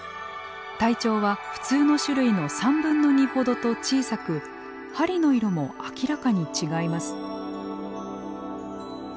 体長は普通の種類の３分の２ほどと小さく針の色も明らかに違います。